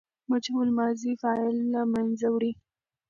مجهول ماضي فاعل له منځه وړي.